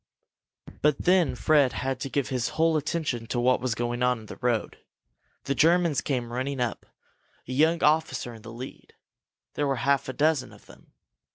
But then Fred had to give his whole attention to what was going on in the road. The Germans came running up, a young officer in the lead. There were a half dozen of them.